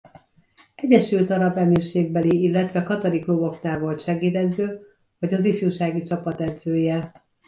Egyesült arab emírségekbeli illetve katari kluboknál volt segédedző vagy az ifjúsági csapat edzője.